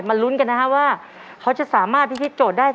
มาลุ้นกันนะฮะว่าเขาจะสามารถพิธีโจทย์ได้ทั้งสี่ข้อ